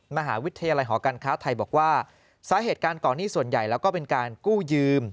มหาวิทยาลัยหอการค้าไทยบอกว่าสาเหตุการณ์ก่อนนี้ส่วนใหญ่แล้วก็เป็นการกู้ยืม